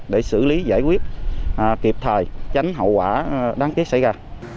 để xử lý giải quyết kịp thời tránh hậu quả đáng tiếc xảy ra